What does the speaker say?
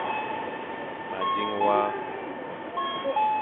Ma dzing wa.